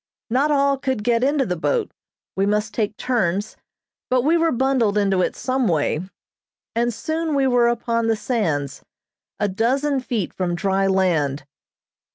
Not all could get into the boat; we must take turns, but we were bundled into it some way, and soon we were upon the sands, a dozen feet from dry land.